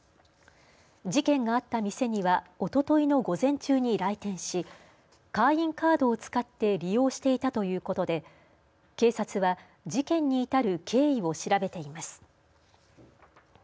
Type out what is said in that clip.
事件があった店にはおとといの午前中に来店し会員カードを使って利用していたということで警察は事件に至る経緯を調べています。